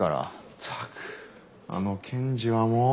ったくあの検事はもう。